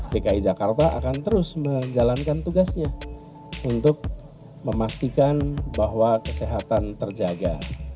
dki jakarta akan terus menjalankan tugasnya untuk memastikan bahwa kesehatan terjaga